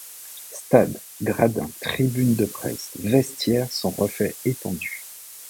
Stade, gradins, tribunes de presse, vestiaires sont refaits étendus.